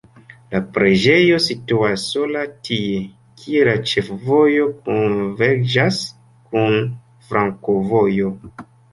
La preĝejo situas sola tie, kie la ĉefvojo konverĝas kun flankovojo.